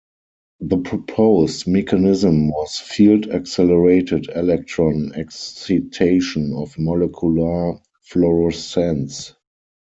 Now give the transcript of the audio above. The proposed mechanism was field-accelerated electron excitation of molecular fluorescence.